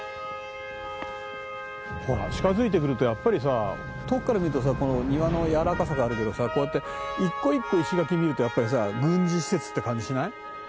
ほら近づいてくるとやっぱりさ遠くから見るとさこの庭のやわらかさがあるけどさこうやって一個一個石垣見るとやっぱりさ軍事施設って感じしない？